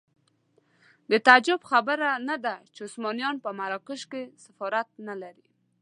د تعجب خبره نه ده چې عثمانیان په مراکش کې سفارت نه لري.